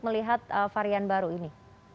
melihat varian baru ini